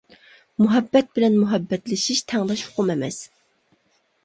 مۇھەببەت بىلەن مۇھەببەتلىشىش تەڭداش ئۇقۇم ئەمەس.